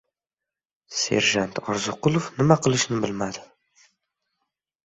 Serjant Orziqulov nima qilishini bilmadi.